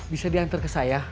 bisa diantar ke saya